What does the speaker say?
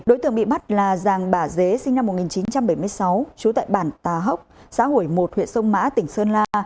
đối tượng bị bắt là giàng bà dế sinh năm một nghìn chín trăm bảy mươi sáu trú tại bản tà hốc xã hủy một huyện sông mã tỉnh sơn la